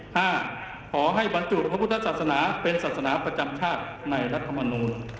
ขอให้บรรจุพระพุทธศาสนาเป็นศาสนาประจำชาติในรัฐมนูล